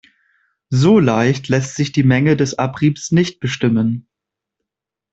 So leicht lässt sich die Menge des Abriebs nicht bestimmen.